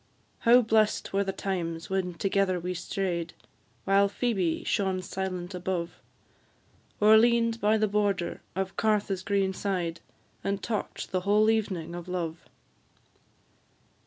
How blest were the times when together we stray'd, While Phoebe shone silent above, Or lean'd by the border of Cartha's green side, And talk'd the whole evening of love!